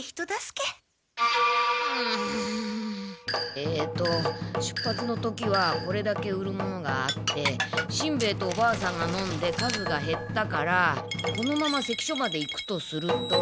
えと出発の時はこれだけ売る物があってしんべヱとおばあさんが飲んで数がへったからこのまま関所まで行くとすると。